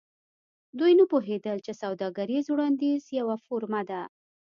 دوی نه پوهیدل چې سوداګریز وړاندیز یوه فورمه ده